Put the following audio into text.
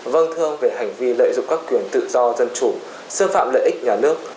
vâng thưa về hành vi lợi dụng các quyền tự do dân chủ xâm phạm lợi ích nhà nước